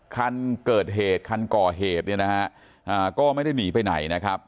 คันเกิดเหตุคันก่อเหตุเนี่ยนะฮะก็ไม่ได้หนีไปไหนนะครับ